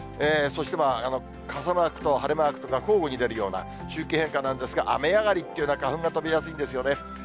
そして傘マークと晴れマークとが交互に出るような、周期変化なんですが、雨上がりっていうのは花粉が飛びやすいんですよね。